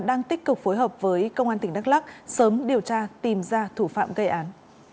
đang tích cực phối hợp với công an tỉnh đắk lắc sớm điều tra tìm ra thủ phạm gây án